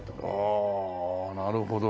ああなるほどね。